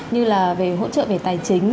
như là hỗ trợ về tài chính